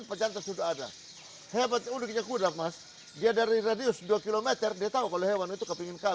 kuda yang masuk sini itu ya kuda kuda pakistan sebetulnya